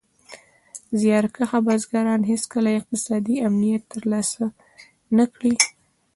زیار کښه بزګران هېڅکله اقتصادي امنیت تر لاسه نه کړ.